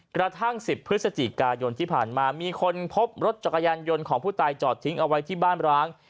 กระทั่ง๑๐พฤศจิกายนที่ผ่านมามีคนพบรถจักรยานยนต์ของผู้ตายจอดทิ้งเอาไว้ที่บ้านร้าง